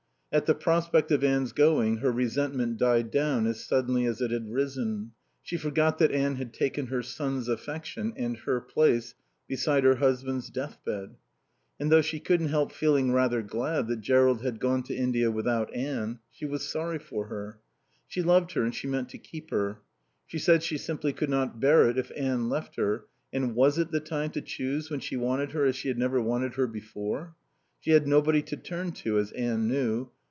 At the prospect of Anne's going her resentment died down as suddenly as it had risen. She forgot that Anne had taken her sons' affection and her place beside her husband's deathbed. And though she couldn't help feeling rather glad that Jerrold had gone to India without Anne, she was sorry for her. She loved her and she meant to keep her. She said she simply could not bear it if Anne left her, and was it the time to choose when she wanted her as she had never wanted her before? She had nobody to turn to, as Anne knew.